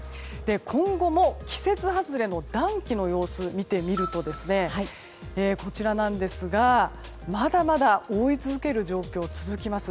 今後も、季節外れの暖気の様子見てみるとですね、まだまだ覆い続ける状況が続きます。